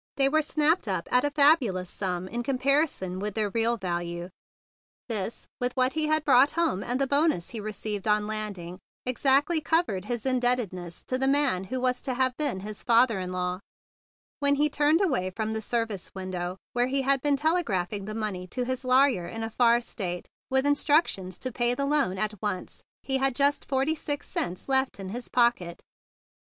They were snapped up at once at a sum that was fabulous in comparison with their real value. This, with what he had brought home and the bonus he received on landing, exactly covered his indebtedness to the man who was to have been his father in law; and, when he turned away from the window where he had been tele¬ graphing the money to his lawyer in a far State with instructions to pay the 30 THE BIG BLUE SOLDIER loan at once, he had just forty six cents left in his pocket.